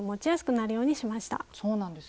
そうなんです。